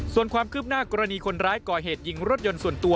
ส่วนความคืบหน้ากรณีคนร้ายก่อเหตุยิงรถยนต์ส่วนตัว